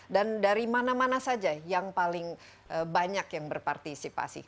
dan dari mana mana saja yang paling banyak yang berpartisipasi